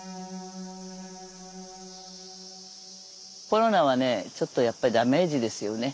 コロナはねちょっとやっぱりダメージですよね。